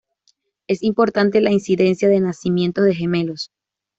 Es importante la incidencia de nacimientos de gemelos.